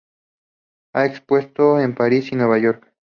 Ha expuesto en París y Nueva York.